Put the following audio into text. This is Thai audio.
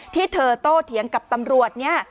ที่เธอโตเถียงกับตำรวจเนี่ย